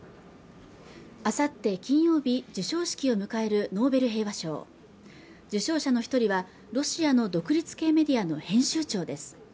あさって金曜日授賞式を迎えるノーベル平和賞受賞者の一人はロシアの独立系メディアの編集長です